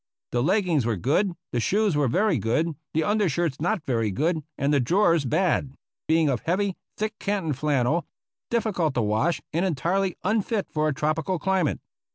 The leggings were good ; the shoes were very good ; the undershirts not very good, and the drawers bad — being of heavy, thick canton flannel, difficult to wash, and entirely unfit for a tropical climate.